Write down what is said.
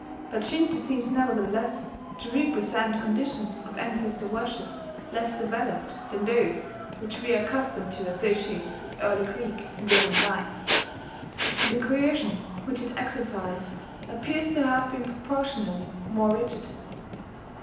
But Shinto seems nevertheless to represent conditions of ancestor worship less developed than those which we are accustomed to associate with early Greek and Roman life; and the coercion which it exercised appears to have been proportionally more rigid.